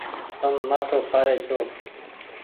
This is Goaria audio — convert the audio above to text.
تم مآٿو کآري ڇو۔